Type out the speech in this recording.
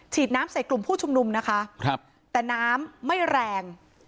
ฉีดน้ำใส่กลุ่มผู้ชุมนุมนะคะครับแต่น้ำไม่แรง